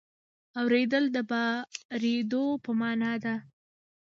اورېدل د بارېدلو په مانا ده.